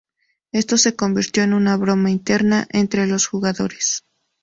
Esto se convirtió en una broma interna entre los jugadores.